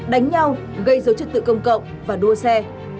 đánh nhau gây dấu chất tự công cộng và đua xe